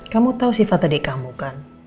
kamu tau sifat adik kamu kan